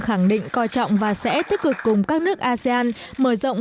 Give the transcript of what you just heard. khẳng định coi trọng và sẽ thích cực cùng các nước asean mở rộng